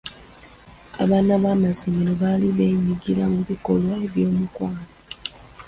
Abaana b'essomero baali beenyigira mu bikolwa by'omukwano.